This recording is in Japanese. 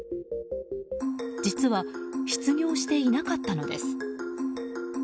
実は失業していなかったのです。